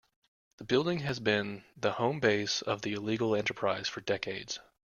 The building has been the home base of the illegal enterprise for decades.